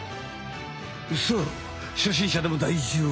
さあ初心者でも大丈夫。